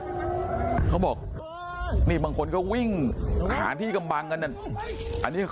พวกมันกลับมาเมื่อเวลาที่สุดพวกมันกลับมาเมื่อเวลาที่สุด